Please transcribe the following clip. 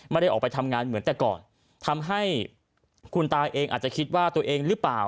ไม่ได้ออกไปทำงานเหมือนแต่ก่อนทำให้คุณตาเองอาจจะคิดว่าตัวเองหรือเปล่า